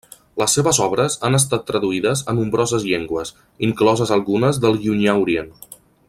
Les seves obres han estat traduïdes a nombroses llengües, incloses algunes del Llunyà Orient.